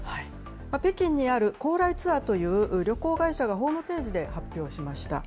北京にある高麗ツアーという旅行会社がホームページで発表しました。